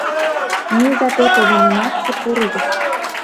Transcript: Мийыза, те погынымашке пурыза.